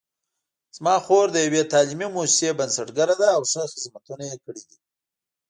زما خور د یوې تعلیمي مؤسسې بنسټګره ده او ښه خدمتونه یې کړي دي